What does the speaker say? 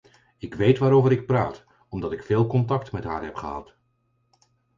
Ik weet waarover ik praat, omdat ik veel contact met haar heb gehad.